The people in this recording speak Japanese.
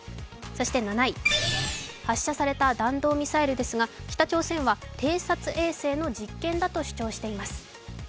そして７位、発射された弾道ミサイルですが、北朝鮮は偵察衛星の実験だと主張しています。